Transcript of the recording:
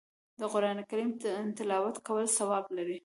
د قرآن کریم تلاوت کول ثواب لري